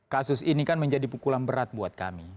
kasus ini kan menjadi pukulan berat buat kami